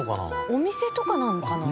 お店とかなのかな？